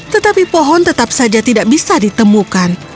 tetapi pohon tetap saja tidak bisa ditemukan